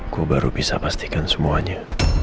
gue baru bisa pastikan semuanya